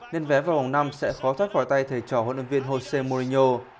nên vé vào vòng năm sẽ khó thoát khỏi tay thầy trò huấn luyện viên jose morino